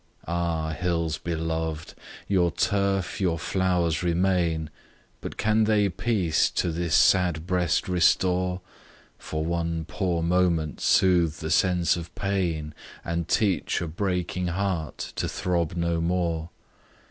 Ah! hills beloved! your turf, your flowers remain; But can they peace to this sad breast restore, For one poor moment soothe the sense of pain, And teach a breaking heart to throb no more?